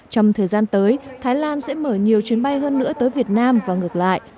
trong thời gian tới thái lan sẽ mở nhiều chuyến bay hơn nữa tới việt nam và ngược lại